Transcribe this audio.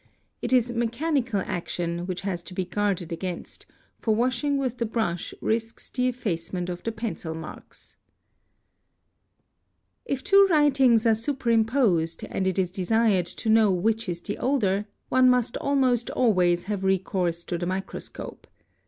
It is mechanical action which has to be guarded against, for washing with the brush risks the effacement of the pencl marks, FALSIFICATION OF DOCUMENTS 777 If two writings are superimposed, and it is desired to know which is the' older, one must almost always have recourse to the microscope.